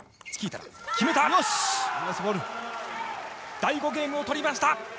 第５ゲームも取りました。